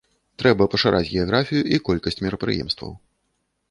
Трэба пашыраць геаграфію і колькасць мерапрыемстваў.